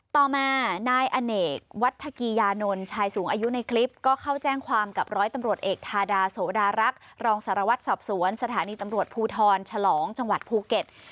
ต่อมานายอเนกวัฒกียานนท์ชายสูงอายุในคลิปก็เข้าแจ้งความกับร้อยตำรวจเอกทาดาโสดารักษ์รองสารวัตรสอบสวนสถานีตำรวจภูทรฉลองจังหวัดภูเก็ต